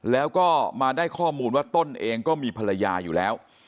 แล้วก็มาได้ข้อมูลว่าต้นเองก็มีภรรยาอยู่แล้ว